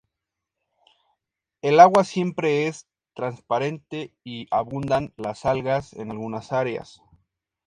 El agua siempre es transparente y abundan las algas en algunas áreas.